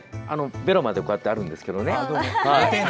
ベロまであるんですけどね。